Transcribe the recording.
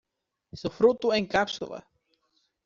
Su fruto en cápsula.